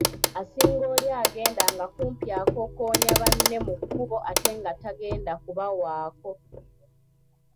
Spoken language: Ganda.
Asinga oli agenda nga kumpi akokoonya banne mu kkubo ate nga tategenda kubawaako.